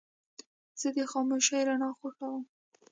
زه د خاموشې رڼا خوښوم.